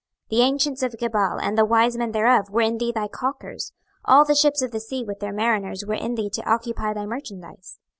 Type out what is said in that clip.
26:027:009 The ancients of Gebal and the wise men thereof were in thee thy calkers: all the ships of the sea with their mariners were in thee to occupy thy merchandise.